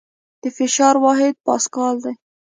د فشار واحد پاسکل دی.